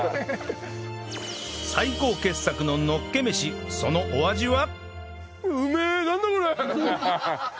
最高傑作ののっけ飯そのお味は？